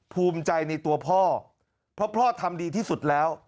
ภูมิใจในตัวพ่อเพราะพ่อทำดีที่สุดแล้ว